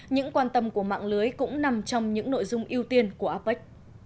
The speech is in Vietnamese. những quan tâm của mạng lưới cũng nằm trong những nội dung ưu tiên của apec